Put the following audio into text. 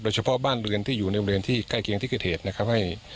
เฉพาะบ้านเรือนที่อยู่ในบริเวณที่ใกล้เคียงที่เกิดเหตุนะครับให้